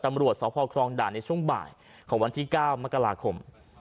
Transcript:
ตำรวจสพครองด่านในช่วงบ่ายของวันที่๙มกราคม